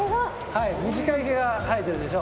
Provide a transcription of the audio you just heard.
はい短い毛が生えてるでしょ？